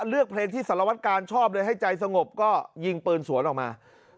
เลือกเพลงที่สารวัตกาลชอบเลยให้ใจสงบก็ยิงปืนสวนออกมา